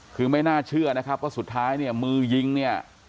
คือไม่น่าเชื่อนะครับว่าสุดท้ายเนี่ยมือยิงเนี่ย